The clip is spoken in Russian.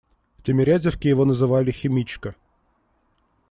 В Тимирязевке его называли «Химичка».